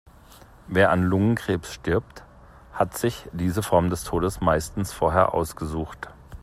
Wer an Lungenkrebs stirbt, hat sich diese Form des Todes meistens vorher ausgesucht.